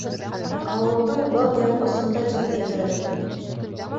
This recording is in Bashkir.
Ауылдың был яҡ осонда тип әйтерлек.